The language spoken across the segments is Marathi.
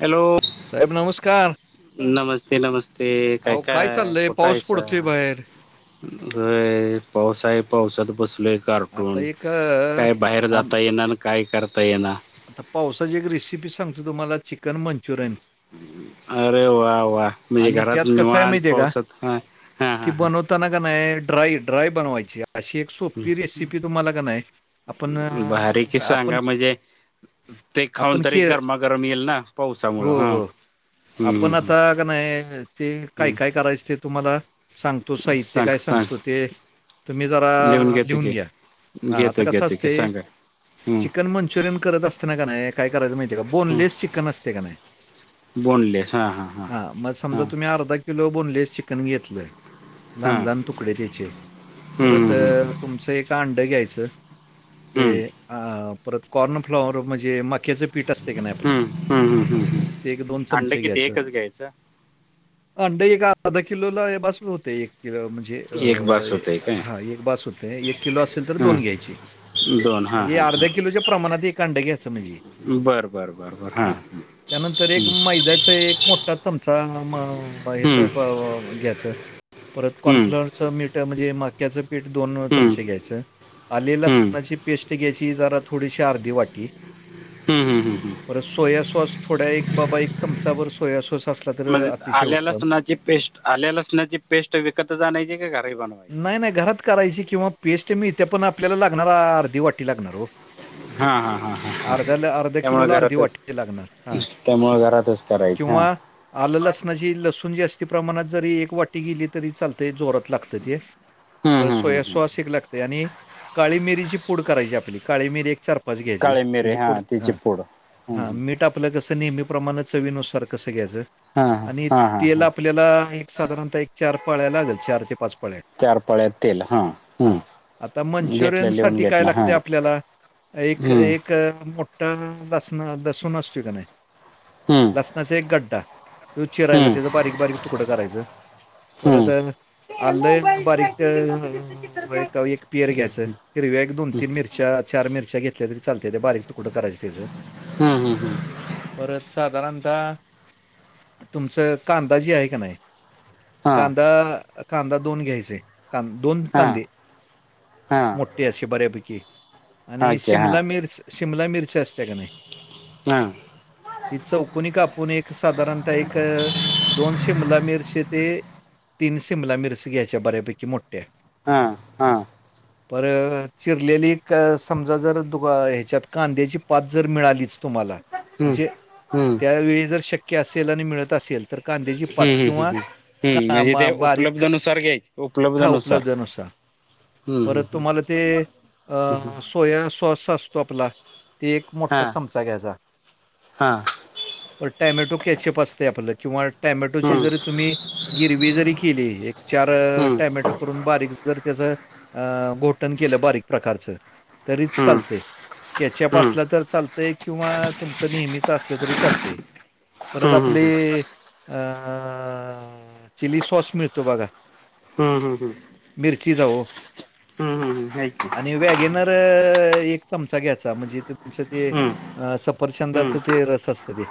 हॅलो साहेब नमस्कार नमस्ते नमस्ते काय अहो काय चाललंय कुठं पाऊस आहेस? पडतोय बाहेर होय पाऊस आहे पावसात बसलोय. आता गारठून एक अ, काय बाहेर आम- जाता येना आणि काय करता येना. आता पावसाची एक रेसिपी सांगतो तुम्हाला चिकन मंचुरियन अरे वा वा म्हणजे आणि घरात त्यात कसं आहे निवण पावसात ह हा हा हा ताना का नाही ड्रा ड्राय बनवायची. अशी एक सोपी रेसिपी तुम्हाला का नाही आपण भारी की आपण सांगा म्हणजे ते खाऊन आपण तरी के गरमागरम येईल ना पावसामुळे हा हम्म ब का नाही ते काय काय हम्म करायचं ते तुम्हाला सांगतो साहित्य सांग काय सांग सांगतो ते तुम्ही जरा घेतो लिहून की घ्या हा आता घेतो कसं घेतो की असते. सांगा हम्म चिकन मंचुरियन करत असताना का नाही काय करायच माहितीय का बोनलेस हम्म चिकन असते का नाही. बोनलेस हा मग समजा हा तुम्ही अर्धा अर्धा किलो बोनलेस चिकन घेतलं हा लहान लहान तुकडे त्याचे हम्म परत हम्म हम्म तुमचं एक अंड घ्यायचं ते हम्म अ परत कॉर्न फ्लॉवर म्हणजे माक्याचे पीठ असते का नाही आपलं हम्म, हम्म, हम्म, हम्म, हम्म. ते एक दोन अंडं चमचे किती घ्यायचं एकच घ्यायचं. अंड एक अर्धा किलोला बसून होते एक किलो म्हणजे एक म्हण बास होतंय जे काय हां एक बस होते एक किलो असेल तर हम्म, दोन घ्यायची दोन हां म्हणजे हां अर्धा किलोच्या प्रमाणात कांड घ्याच म्हणजे हां बर बर बर बर हां हा त्यानंतर एक मैद्याच एक ा चमचा ह्याचं हम्म, घ्यायचं परत हम्म, कॉर्नफ्लअर. स मीठ म्हणजे माक्याचं पीठ दोन हम्म, हम्म, चमचे घ्यायचं. आले हम्म, लसणाची पेस्ट घ्यायची जरा थोडीशी अर्धी वाटी. हम्म हम्म. बर सोयासॉस थोड्या एक बाबा एक चमचावरर सोयासॉस अस. म्हणजे आल्या लसणाची पेस्ट आल्या लसणाची पेस्ट विकत जाायची की घरी बनवायची. नाही नाही घरात. करायची किंवा पेस्ट मिीळथे पण आपल्याला लागणार अर्धी वाटी लागणार हो. हां हां हां हां अर्ध्याला अर्ध्या किलो ला अर्धी वाटाची लागणार हा. त्यामुळं घरातच. करायची हां किंवा. आलं लसणाची लसूण जास्त प्रमाणात जरी एक वाटी गेली तरी चालते जोरात लागते. ते हम्म, पर हम्म, हम्म, स हम्म. सो एक लागते आणि. काळी मिरीची पूड करायची आपली काळी मिरी एक चारप. काळे मिरे हां त्याची [unintelligible] पूड हम्म, हम्म. हा. हां हां हां हां [unintelligible] हां आपल्याला एक साधारणतः एक चार पाळ्या लागेल चार ते पाच पळ्या. चार पळ्यात तेल हां हा हम्म. आता घेतलं मंचुरियन लिहून साठी काय घेतलं हां लागते आपल्याला. एक हम्म एक मोठासन बसून असते काने. हम्म. असनाचा एक गड्डा त चिरायचा त्याचां बारीक बारीक तुकडं करायचं परत. आल् बारीक एक का एक पियर घ्यायं हिरव्या एक दोन तीन मिरच्या चार मिरच्या घेतल्या तरी. चालते ते बारीक त कुठं करायं तेचं. हम्म हम्म हम्म. परत साधारणतः तुमचं का अंदाजी आहे का नाही. कांदा कांदा दोन घ्यायचे दोन कांदे मोठ. तेी असशी बऱ्यापैकी आणि शिमला मिर्च शिमला मिरची अस त्या का नाही. ना. ति चवक कोणी कापून एक साधारणतः एक दोनशे मुला मिरचे ते. तीन शिमला मिरस घ्याच्या बऱ्यापैकी मोठ्या. हा हा. पर चिरलेली समजा जर तु ह्याच्यात कांद्याची पच जर मिळालीच. तुम्हाला म्हणजे त्यावेळी जर शक्य असेल आणि मिळत असेल तर. तर कांद्याची पात हम्म म्हणजे ते किंवा बारीक उपलब्धनुसार घ्यायचे हा उपलब्धनुसार उपलब्ध नुसार. हम्म परत हम्म हम्म तुम्हाला ते. सोया सॉस असतो आपला ते एक हा मोठा चमचा घ्यायचा. हा. पण टॅमॅटो कॅचअप असते आपल्याला किंवा. टॅमॅटोची हम्म जरी तुम्ही गिरवी जरी केली एक चार हम्म टॅमॅटो. करून बारीक जर त्याच घोटण केलं बारीक प्रकारच तरी चालत. कॅचअप हम्म असलं तर चालतय किंवा तुमचं नेहमीच असलं तरी चालत. परत हम्म हम्म हम्म हम्म हम्म आपली अ चिली सॉस मिळतो बघा. हम्म हम्म हम्म. मिरची जाऊ. [unintelligible] वॅगिनर एक चमचा घेचा म्हणजे तुमचं ते. हम्म अ हम्म सफरचंदाचं ते रस असत ते.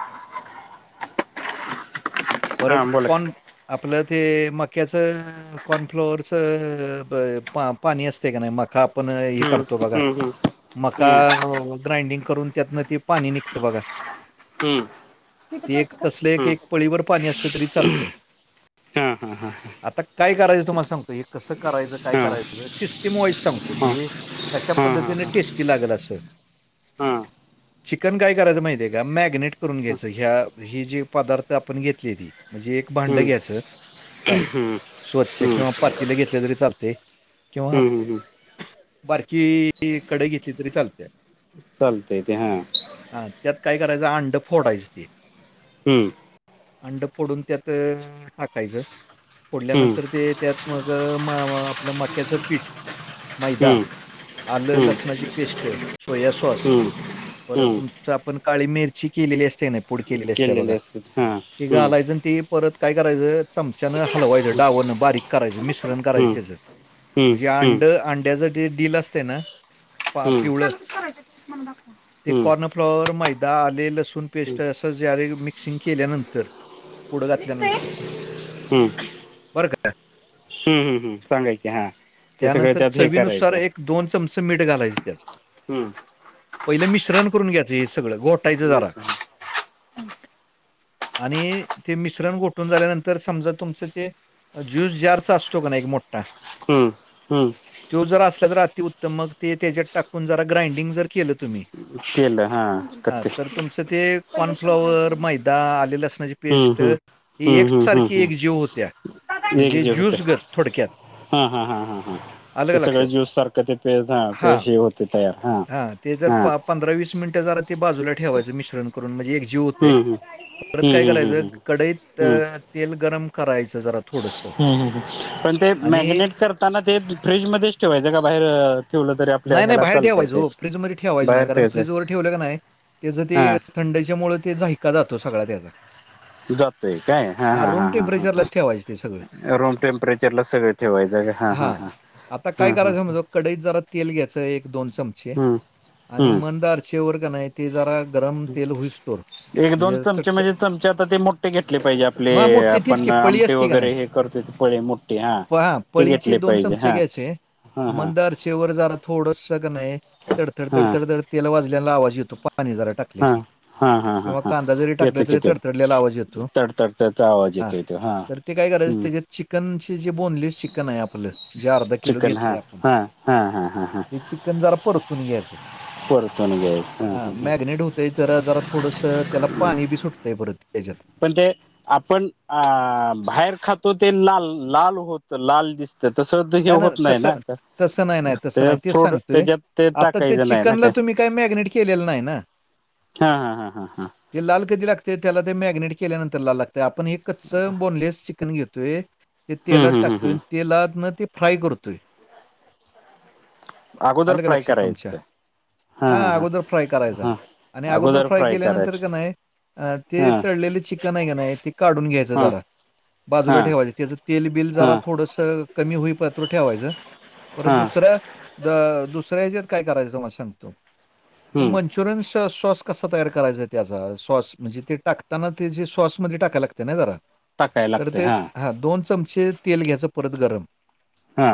हा परत बोला कोण आपलं ते मक्याच अ. कॉर्नफ्लोअरच अब पा पाणी असते का नाही मका आपण एक हम्म काढतो बघा हम्म हम्म मका हम्म ग्राइंडिंग करून त्यातनं ते पाणी निघतं बघा हम ते एक तसले एक पळीवर पाणी असले तरी चालते. हा हा हा हा. आता काय करायचं तुम्हाला सांगतो हे कसं करायचं काय हा करायचं सिस्टीम वाईज सांगतो हा हा म्हणजे कशा हा हा पद्धतीने टेस्टी लागल असं हा चिकन काय करायचं माहित आहे का. मॅगनेट करून घ्यायचं ह्या ही जे पदार्थ आपण घेतली ती. म्हणजे एक भांडं हम्म घ्यायचं. काय हम्म स्वच्छ हम्म किंवा पातीला घेतल्या तरी चालते किंवा हम्म हम्म हम्म बारकी. ती कडाई घेतली तरी चालते, चालतंय ते हा हा त्यात. काय करायच अंड फोडायच ते हम्म अंड पोडून त्यात टाकायचं हम्म पोडल्यानंतर ते त्यात मग आपलं माक्याचं पीठ मैदा, हम्म आलं हम्म लसणाची पेस्ट, सोया सॉस हम्म परत हम्म तुमच आपण काळी मिरची केलेली असते ना पुढ केलेली अस त्या बघा केलेले असतात हा ति हम्म घालायचं आणि ती परत काय करायचं चमच्यान हलवायंच डावणं बारीक करायचं मिश्रण करायचं हम्म त्याचं- हम्म मंग हे हम्म अंड अंड्याचं ते डील असते ना पा हम्म पिवळ चालूच करायचं मला दाखवा ते हम्म कॉर्नफ्लॉवर माहित दा आले लसूण पेस्ट हम्म असं जवे मिक्सिंग केल्यानंतर पुडं घातल्यानंतर हम्म हम्म. बरं का हम्म हम् सांगायचे हा ते सगळं त्यानंतर त्यात हे चवीनुसार करायचं एक दोन चमचे मीठ घालायचं त्यात हम्म पहिलं मिश्रण करून घ्यायचं हे सगळं घोटायचं जरा [unintelligible] आणि ते मिश्रण गोठून झाल्यानंतर समजा तुमचं ते ज्यूस जारचा असतो का ना एक मोठा हम्म हम्म. तो जर असल्या तर अति उत्तम मग ते त्याच्यात टाकून जरा ग्राइंडिंग जर केलं तुम्ही केलं हा. हा करते तर तुमचं ते कॉर्नफ्लॉवर मैदा आले लसणाची हम्म पेस्ट हम्म ही हम्म हम्म एकसारखी हम्म एक जीव होत्या म्हणजे ज्यूसगत थोडक्यात हम हम हा हम हम. आलं ते का सगळे लक्षात ज्यूस सारखं ते प हा पेज होते तयार हा ते जर हा. पंधरा वीस मिनटं जरा ते बाजूला ठेवायचं मिश्रण करून म्हणजे एकजीव होऊ दे हम्म हम्म परत काय हम्म करायचं हम्म काडईत तेल गरम करायच जरा थोडंसं ह् पण ते आणि मॅगनेट करताना ते फ्रीजमध्येच ठेवायचं का बाहेर ठेवलं तरी [unintelligible] नाही नाही बाहेर चालतंय ठेवायचं ते हो फ्रीज मध्ये ठेवायचं नाही बाहेर कारण ठेवायचं फ्रीज वर ठेवलं का नाही त्याच हा ते थंडीच्या मुळ ते झायका जातो सगळा त्याचा जातय काय हा हां, हा रूम ह ह ह टेम्परेचरलाच ठेवायचं ते सगळं. ह रूम टेम्परेचरला सगळ ठेवायचं जा हा हां हां आता काय करायचं म्हणजं कडई जरा तेल घ्यायचं एक दोन चमचे हम्म आणि हम्म मंद आचेवर की नाय ते जरा गरम तेल होईतोवर एक दोन चमचे म्हणजे चमचे आता ते मोठे घेतले पाहिजे आपले मग मोठी तीच आपण की पळी आमटी असती का नाही? वगैरे हे करतो पळे मोठे हा प हां, ते पळीचे घेतले पाहिजे चमचे हा. घ्यायचे हा हा मंद आचेवर जात थोडसं कणाय तडतड हा तडतडतड तेल वाजल्याला आवाज येतो पाणी जरा टाकले हा की, हा हा हा किंवा हा कांदा जरी टाकला येतो की तरी त्यो तडतडलेला आवाज येतो तडतडतडचा आवाज हा येतोय तो तर ते काय करायचं हम्म त्याच्यात चिकनचे जे बोनलेस चिकन आहे आपलं जे अर्धा किलो चिकन हा घेतले आपण हा हा हा हा हा. ते चिकन जरा परतून घ्यायचं परतून घ्यायच हा ह ह मॅगनेट होत ते जरा जरा थोडंसं त्याला पाणी बी सुटतंय परत त्याच्यात पण ते आपण अ बाहेर खातो ते लाल लाल होत लाल दिसत. त्या असतं हे होत नाही ना ते थोडं त्याच्यात ते टाक तरं ते चिकनला तुम्ही काही मॅगनेट केलेलं नाही ना. हा हा हा हा हा ते लाल कधी लागते त्याला ते मॅगिनेट केल्यानंतर लाल लागते. तर आपण एकचं बोनलेस चिकन घेतोय ते हम्म तेलात हम्म हम्म टाकतोय हम्म अनं तेलात न ते फ्राय करतोय अगोदर आल कां फ्राय लक्षात तुमच्या करायचं हा अगोदर फ्राय करायचा हा आणि अगोदर फ्राय केल्यानंतर का नाही. अ ते हा तळलेले चिकन आहे का नाही ते काढून घ्यायचं हा जरा बाजूला हा ठेवायचं त्याचं तेल बिल जरा हा थोडसं कमी होई पातुर ठेवायचं परत हा दुसऱ्या ग दुसऱ्या याच्यात काय करायचं? तुम्हाला सांगतो. हम्म चुरनचा सॉस कसा तयार करायचाय त्याचा सॉस म्हणजे ते टाकताना ते जे सॉसमध्ये टाकाया लागत. ते नाही जरा टाकाय तर लागते ते हा दोन चमचे तेल घ्यायचं परत गरम हा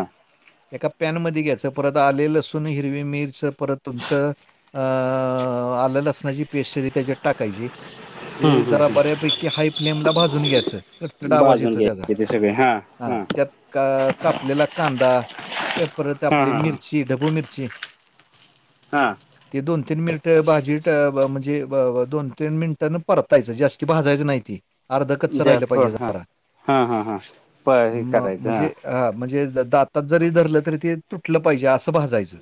एका पॅनमध्ये घ्यायचं परत आले लसून हिरवी मिरच परत तुमचं अ आलं लसणाची पेस्टरी त्याच्यात टाकायची. ते हम्म हम्म जरा बऱ्यापैकी हाय फ्लेम ला भाजून घ्याचं तडतड आवाज भाजून येतो त्याचा घ्यायचे ते सगळे हा त्यात का? कापल्याला कांदा श परत हा आपली हा हा मिरची ढबू मिरची हा ती दोन तीन मिनिटं भाजी ट ब म्हणजे ब व दोन तीन मिनिटान परतायचं जास्ती भाजायचं नाही ती अर्ध कच्च द्या राहिलं पाहिजे थोडं हा जरा हा हा हा प हे म करायचं म्हणजे...... हा म्हणजे दातात जरी धरलं तरी ते तुटलं पाहिजे असं भाजायचं...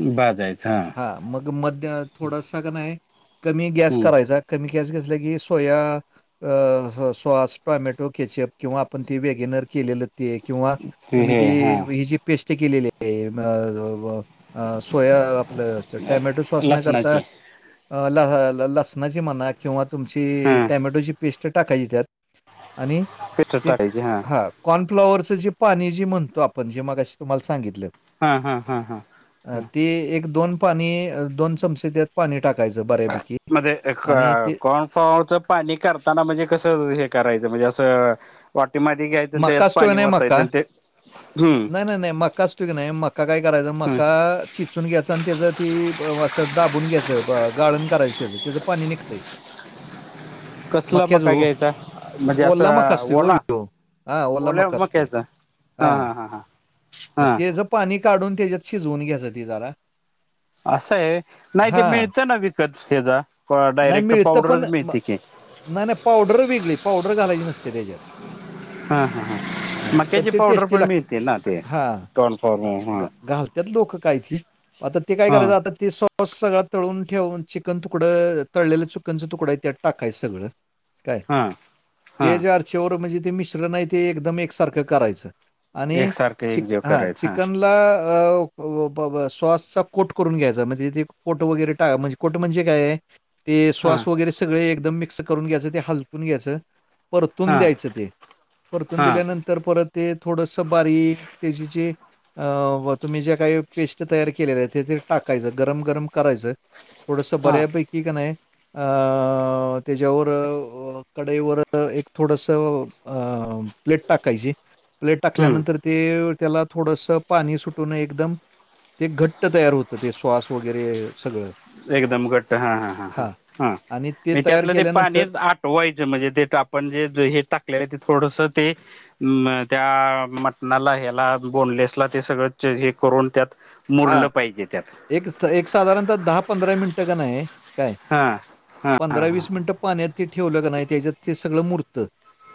भाजायचं हं.... ह मग मध्य थोडासं का नाही कमी गॅस हम्म करायचा... कमी गॅस घसलं की, सोया अ सॉस, टोमॅटो केचप किंवा आपण ते वेगनर केलेलं ते किंवा तुम्ही हे ते हा व्हे ची पेस्ट केलेलीय म जा वा अ सोया आपलं चं टॅमॅटो सॉस नं करता लसणाचे अ लह ल लसणाची म्हणा किंवा तुमची हा टॅमॅटोची पेस्ट टाकायची त्यात आणि पेस्ट ते टाकायची हा कॉनफ्लॉवरचं पी त्याज पाणी जी म्हणतो आपण, जे मगाशी तुम्हाला सांगितलं हा हा हा हा अ ते एक दोन पाणी, अ दोन चमचे त्यात पाणी टाक म्हणजे एक कॉनफ्लॉवरचं पाणी करताना म्हणजे कसं हे करायचं, म्हणजे असं वाटी मधी घ्यायचं अनं मका त्याच्यात असतो का पाणी नाही वतायच मका अन् ते हम्म नाही नाही नाही, मका असतो की नाही, मका काय कराचं हम्म मका चेचून घ्यायचं अनं त्याच ते ब वं असं दाबून घ्यायचं, ब गाळण करायचं, त्याचं त्याचं पाणी निघतंय कसला मक्याचं मका ओ, घ्यायचा म्हणजे ओल्ला मका असं असतोयं ओ यो ओला त्यो हां वल्ला ओल्या मका असतोय, मक्याचा हा हां हा हा हा म ते हा त्याचं पाणी काढून, त्याच्यात शिजून घ्याचं ते जरा. असं आहे व्हय, नाही ते हां, मिळतं ना विकतं हेचा, नाही डायरेक्ट मिळतं पण पावडरचं म मिळते की. नाही नाही पावडर वेगळी, पावडर घालायची नसते त्याच्यात. हां हां हां ह तर मक्याची ते पावडर टेस्टी पण लागतय, मिळते ना ते हा कॉर्नफ्लॉवर हां घ घाल त्यात लोकं कायती, आता ते काय हां करायचं आता ते सॉस, सगळं तळून ठेवून चिकन तुकडं तळलेलं चुकनचा तुकडा आहे, त्यात टाकाय सगळं काय हां ते हां जे अर् चेवर म्हणजे ते मिश्रण ते एकदम एकसारखं करायचं. आणि एकसारखं चिक एकजीव हा करायचं हां चिकनला अ अ ओ ओ ब सॉसचा कोट करून घ्यायचा, म्हणजे तेे कोट वगैरे टाका म्हणजे कोट म्हणजे काय आहे ते हां सॉस वगैरे सगळे एकदम मिक्स करून घ्यायचं, ते हलकून घ्यायचं. परतून हां द्यायचं ते, परतून हां दिल्यानं तर परत ते थोडस बारीक त्याचे जे अ तुम्ही ज्या काही पेस्ट तयार केलेल्या आहे, ते ते टाकायचं गरम गरम करायचं. थोडसं हां बऱ्या पैकी का नाही अ त्याच्यावर कडईवर एक थोडस अं प्लेट टाकायची, प्लेट टाकल्यानंतर हम्म ते त्याला थोडसं पाणी सुटून एकदम ते घट्ट तयार होतं ते स्वास वगैरे सगळं एकदम घट्ट हा हा ह ह हां हा आणि म तयार त्यातलं ते पाणी केल्यानंतर आट् टव्हायचं म्हणजे, ते आपण जे हे टाकलेलं ते थोडस ते अ त्या मटणाला, ह्याला बोनलेसला ते सगळं हे करून त्यात हां, मुरलं पाहिजे त्यात. एक एक साधारणत दहा -पंधरा मिनिटं का नाही आहे काय हा हा हा पंधरा - हा वीस मिनिटं पाण्यात ते ठेवलं का नाही त्याच्यात ते सगळं मूरतं.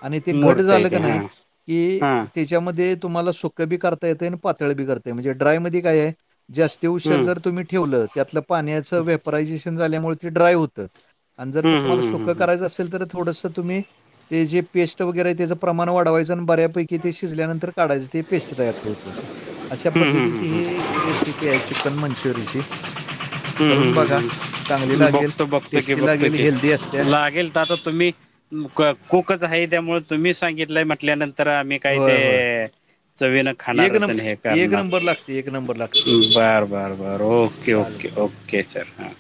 आणि ते घट मूर्त आहे झालं ते का हा नाही कि हा ते च्यामध्ये तुम्हाला सुकं बी करता येते आणि पातळ बी करता, म्हणजे ड्राय म काय आहे जास्त स्ती उशर हम्म जर तुम्ही ठेवलं, त्यातलं पाण्याचं वेपरायझेशन झाल्यामुळे ते ड्राय होतं. आणि जर हम्म तुम्हाला हम्म हम्म सुकं हम्म करायचं असेल, तर थोडसं तुम्ही ते जे पेस्ट वगैरे आहे त्याचं प्रमाण वाढवायचं. चं एगदम बऱ्यापैकी ते शिजल्यानंतर काढायचं ते पेस्ट तयार होते. अशा हम्म पद्धतीची हम्म हम्म ही रेसिपी आहे चिकन मंचुरिची. हम्म हम्म लागेल बघतो बघतो की टेस्टी बघतो लागेल की हेल्दी असते लागेल तर आ तुम्ही अम कुकच आहे त्यामुळे तुम्ही सांगितलंय म्हटल्यानं तर आम्ही काही होय, ते होय. चवीन एक खाणारच नंब आणि हे एक करणार नंबर लागते, एक नंबर लागते. बर बर बर ओके चालेल, ओके चालेल. हां. ओके चल हां